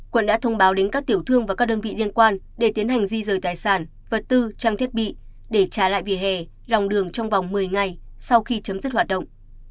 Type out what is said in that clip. quận đã thông báo đến các tiểu thương và các đơn vị liên quan để tiến hành di rời tài sản vật tư trang thiết bị để trả lại vỉa hè lòng đường trong vòng một mươi ngày sau khi chấm dứt hoạt động